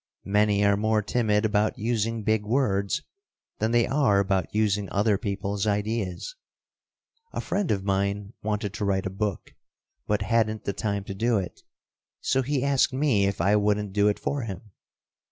Many are more timid about using big words than they are about using other people's ideas. A friend of mine wanted to write a book, but hadn't the time to do it. So he asked me if I wouldn't do it for him.